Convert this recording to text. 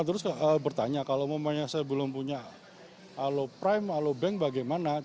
terus bertanya kalau saya belum punya alo prime alo bank bagaimana